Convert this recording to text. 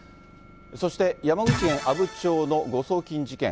そして、山口県阿武町の誤送金事件。